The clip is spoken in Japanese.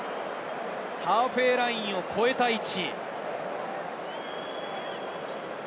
ハーフウェイラインを超えた位置。